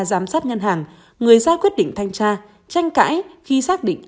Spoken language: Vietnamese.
giám sát ngân hàng người ra quyết định thanh tra tranh cãi khi xác định